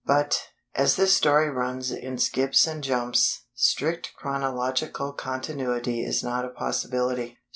But, as this story runs in skips and jumps, strict chronological continuity is not a possibility.